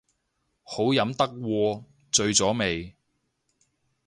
好飲得喎，醉咗未